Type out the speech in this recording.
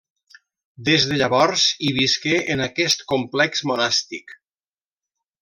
Des de llavors, hi visqué en aquest complex monàstic.